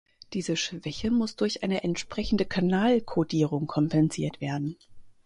Diese Schwäche muss durch eine entsprechende Kanalkodierung kompensiert werden.